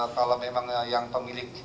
kalau memang yang pemilik